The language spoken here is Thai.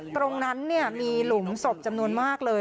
ตรงนั้นมีหลุมศพจำนวนมากเลย